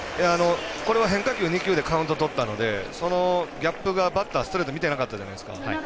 これは変化球２球でカウントとったのでそのギャップがバッター、ストレートを見てなかったじゃないですか。